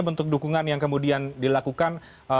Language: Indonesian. bentuk dukungan yang kemudian dilakukan